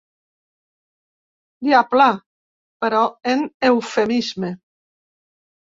Diable, però en eufemisme.